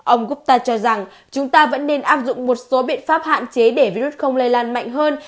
ông gutta cho rằng chúng ta vẫn nên áp dụng một số biện pháp hạn chế để virus không lây lan mạnh hơn